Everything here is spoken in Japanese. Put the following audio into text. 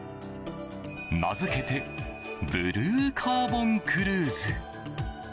名付けてブルーカーボンクルーズ。